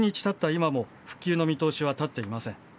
今も、復旧の見通しは立っていません。